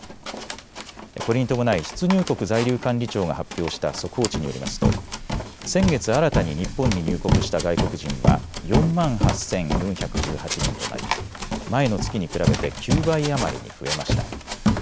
これに伴い出入国在留管理庁が発表した速報値によりますと先月新たに日本に入国した外国人は４万８４１８人となり前の月に比べて９倍余りに増えました。